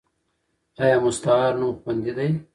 ایا مستعار نوم خوندي دی؟